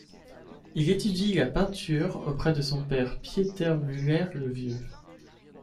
Il étudie la peinture auprès de son père Pieter Mulier le Vieux.